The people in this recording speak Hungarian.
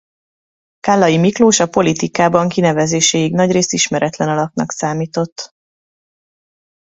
Kállay Miklós a politikában kinevezéséig nagyrészt ismeretlen alaknak számított.